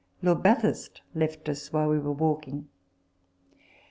Lord Bathurst left us while we were walking.